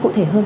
cụ thể hơn